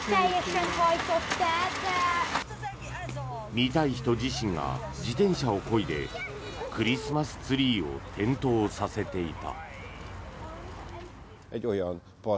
見たい人自身が自転車をこいでクリスマスツリーを点灯させていた。